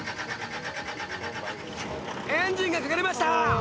エンジンがかかりました！